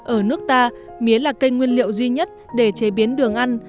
ở nước ta mía là cây nguyên liệu duy nhất để chế biến đường ăn